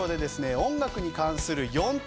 音楽に関する４択